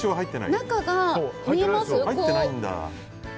中が、見えます？